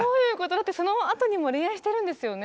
だってそのあとにも恋愛してるんですよね